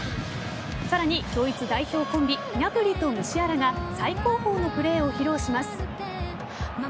さらにドイツ代表コンビニャブリとムシアラが最高峰のプレーを披露します。